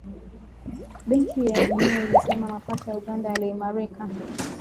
Benki ya Dunia ilisema mapato ya Uganda yaliimarika